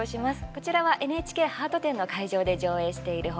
こちらはＮＨＫハート展の会場で上映している他